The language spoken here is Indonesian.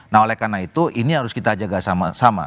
nah oleh karena itu ini harus kita jaga sama sama